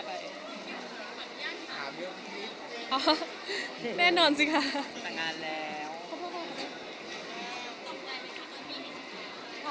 หรือเปล่าหรือเปล่า